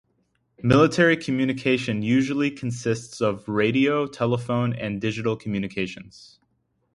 Military communication usually consists of radio, telephone, and digital communications.